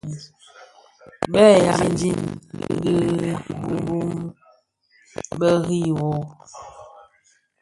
Bèè yaà dig bì di bum bê rì wôô.